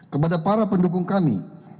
kepada para pendukung kami